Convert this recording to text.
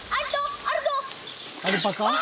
アルパカ？